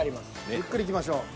ゆっくりいきましょう。